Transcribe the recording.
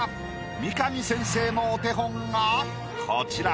三上先生のお手本がこちら。